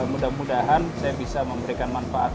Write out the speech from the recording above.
mudah mudahan saya bisa memberikan manfaat